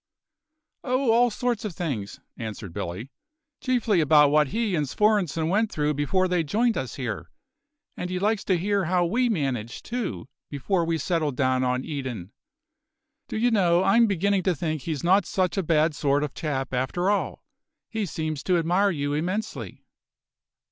"Oh, all sorts of things," answered Billy, "chiefly about what he and Svorenssen went through before they joined us here. And he likes to hear how we managed, too, before we settled down on Eden. Do you know, I'm beginning to think he's not such a bad sort of chap after all. He seems to admire you immensely."